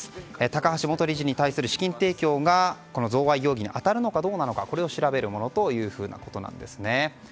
高橋元理事に対する資金提供が贈賄容疑に当たるのかどうなのかを調べるものということです。